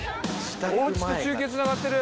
おうちと中継つながってる。